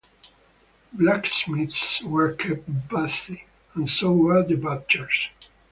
Blacksmiths were kept busy, and so were the butchers.